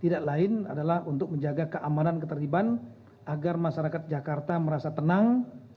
tidak lain adalah untuk menjaga keamanan ketertiban agar masyarakat jakarta merasa tenang